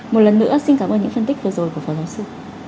một lần nữa xin cảm ơn những phân tích vừa rồi của phó giáo sư